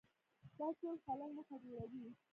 دا ټول خلل نښه جوړوي